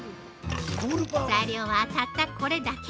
材料は、たったこれだけ！